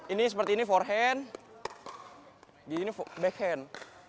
ini seperti ini forehand ini backhand